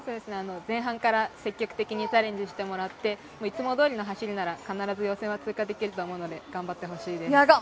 前半から積極的にチャレンジしてもらっていつもどおりの走りなら必ず予選は通過できると思うので頑張ってほしいです。